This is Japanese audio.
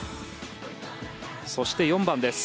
そして４番です。